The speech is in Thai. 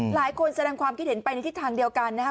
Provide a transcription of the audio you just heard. แสดงความคิดเห็นไปในทิศทางเดียวกันนะครับ